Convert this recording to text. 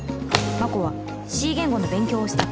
真心は Ｃ 言語の勉強をした